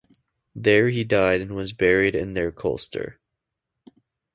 There he died and was buried in their cloister.